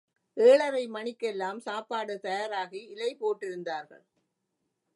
ஏழரை மணிக்கெல்லாம் சாப்பாடு தயாராகி இலை போட்டிருந்தார்கள்.